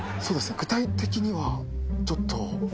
具体的にはちょっと。